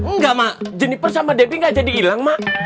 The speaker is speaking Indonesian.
enggak mak jennifer sama debbie gak jadi ilang mak